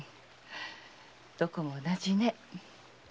どこも同じね。